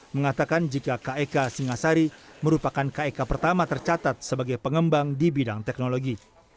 mengatakan jika kek singasari merupakan kek pertama tercatat sebagai pengembang di bidang teknologi